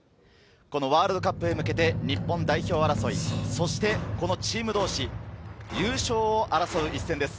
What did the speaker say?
ワールドカップへ向けて、日本代表争い、そしてチーム同士、優勝争う一戦です。